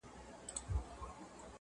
د لنډیو ږغ به پورته د باغوان سي،